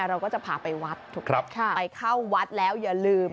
เราก็จะพาไปวัดไปเข้าวัดแล้วอย่าลืม